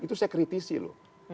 itu saya kritisi loh